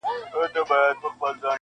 o ماسومان له هغه ځایه وېرېږي تل,